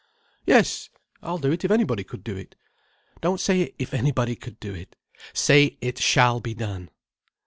"Yes, I'll do it if anybody could do it." "Don't say 'if anybody could do it.' Say it shall be done."